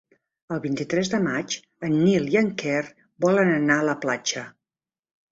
El vint-i-tres de maig en Nil i en Quer volen anar a la platja.